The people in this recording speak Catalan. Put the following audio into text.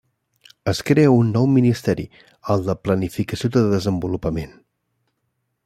Es crea un nou ministeri, el de Planificació de Desenvolupament.